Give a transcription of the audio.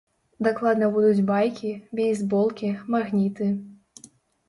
Дакладна будуць байкі, бейсболкі, магніты.